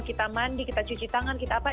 kita mandi kita cuci tangan kita apa